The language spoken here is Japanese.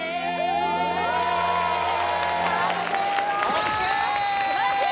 ＯＫ・素晴らしい！